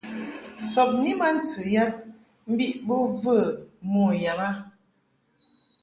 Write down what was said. Sɔbni ma ntɨ yab mbiʼ bo və mo yab a.